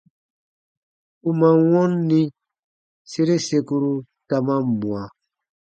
U man wɔnni, sere sekuru ta man mwa.